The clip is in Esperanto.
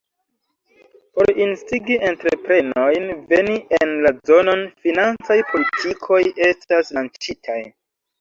Por instigi entreprenojn veni en la zonon, financaj politikoj estas lanĉitaj.